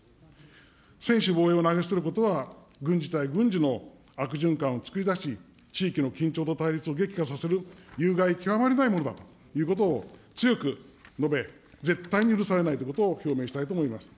専守防衛を投げ捨てることは軍事対軍事の悪循環を作り出し、地域の緊張と対立を激化させる、有害極まりないものだということを強く述べ、絶対に許されないということを表明したいと思います。